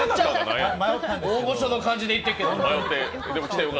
大御所の感じで言ってっけど。